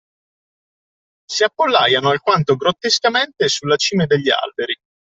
Si appollaiano alquanto grottescamente sulla cima degli alberi.